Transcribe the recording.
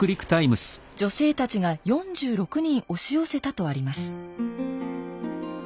「女性たちが４６人押し寄せた」とあります。